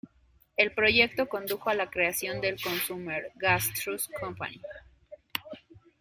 El proyecto condujo a la creación del Consumer Gas Trust Company.